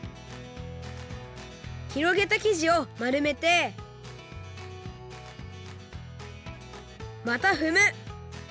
ひろげた生地をまるめてまたふむ！